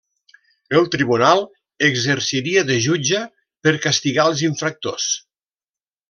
El Tribunal exerciria de jutge per castigar els infractors.